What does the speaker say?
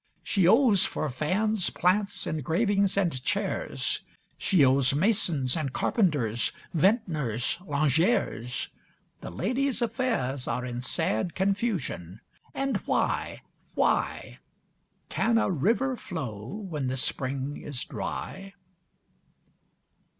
She owes for fans, plants, engravings, and chairs. She owes masons and carpenters, vintners, lingeres. The lady's affairs are in sad confusion. And why? Why? Can a river flow when the spring is dry?